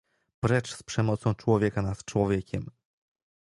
Precz z przemocą człowieka nad człowiekiem!